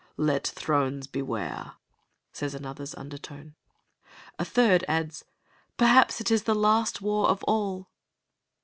"Let thrones beware!" says another's undertone. The third adds, "Perhaps it is the last war of all."